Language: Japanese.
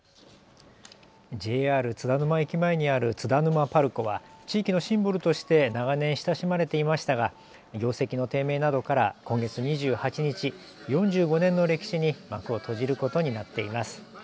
ＪＲ津田沼駅前にある津田沼パルコは地域のシンボルとして長年親しまれていましたが業績の低迷などから今月２８日、４５年の歴史に幕を閉じることになっています。